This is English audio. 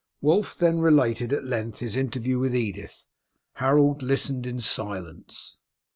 Wulf then related at length his interview with Edith. Harold listened in silence.